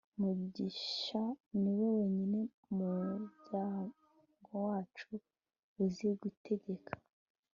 mugisha niwe wenyine mu muryango wacu uzi guteka